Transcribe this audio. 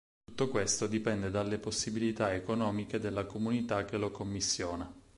Tutto questo dipende dalle possibilità economiche della comunità che lo commissiona.